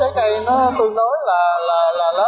sầu riêng chín hòa nhãn xuồng dâu hạ châu bưởi da xanh barô